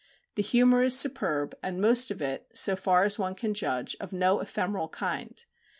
The humour is superb, and most of it, so far as one can judge, of no ephemeral kind.